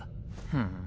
ふん。